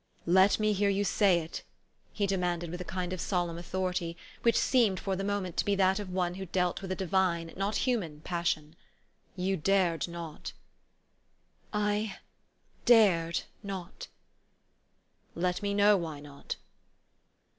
" Let me hear you say it," he demanded with a kind of solemn authority which seemed, for the moment, to be that of one who dealt with a divine, not a human, passion. " You dared not !" "I dared not." " Let me know why not."